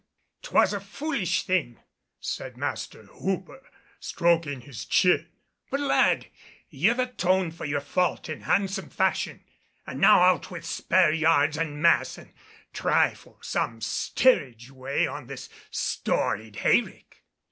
"H'm! 'Twas a foolish thing," said Master Hooper, stroking his chin, "but, lad, you've atoned for your fault in handsome fashion. And now out with spare yards and masts and try for some steerage way on this storied hayrick."